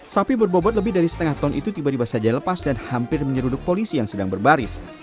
sapi berbobot lebih dari setengah ton itu tiba tiba saja lepas dan hampir menyeruduk polisi yang sedang berbaris